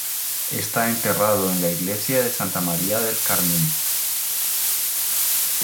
Está enterrado en la iglesia de Santa Maria del Carmine.